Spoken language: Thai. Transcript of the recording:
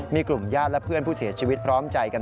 มีกลุ่มญาติและเพื่อนผู้เสียชีวิตพร้อมใจกัน